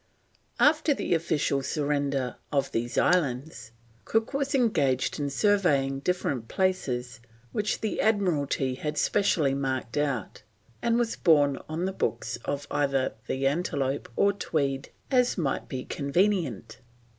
After the official surrender of these islands, Cook was engaged in surveying different places which the Admiralty had specially marked out, and was borne on the books of either the Antelope or Tweed as might be convenient.